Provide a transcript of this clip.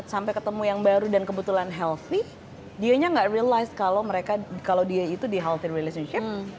sampai ketemu yang baru dan kebetulan healthy dianya gak realize kalau dia itu di healthy relationship